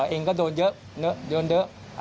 เองก็โดนเยอะโดนเยอะ